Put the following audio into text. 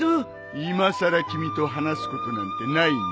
いまさら君と話すことなんてないね。